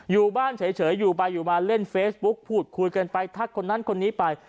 อยู่บ้านเฉยอยู่ไปอยู่มาเล่นเฟซบุ๊กพูดคุยกันไปทักคนนั้นคนนี้ไป